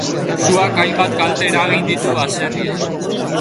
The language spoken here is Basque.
Suak hainbat kalte eragin ditu baserrian.